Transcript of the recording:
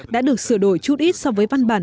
đã được sửa đổi chút ít so với văn bản